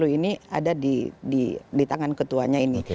lima ratus enam puluh ini ada di tangan ketuanya ini